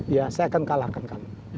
ya saya akan kalahkan kan